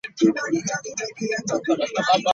She graduated from the Juilliard School.